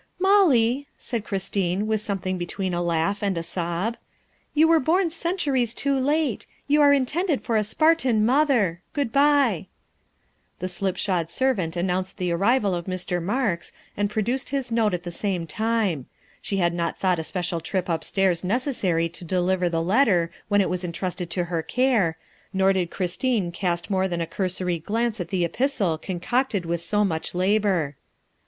" Molly," said Christine, with something between a laugh and a sob, " you were born centuries too late. You were intended for a Spartan mother. Good by. '' The slipshod servant announced the arrival of Mr. Marks and produced his note at the same time she had not thought a special trip upstairs necessary to deliver THE SECRETARY OF STATE 321 the letter when it was entrusted to her care, nor did Christine cast more than a cursory glance at the epistle concocted with so much labor.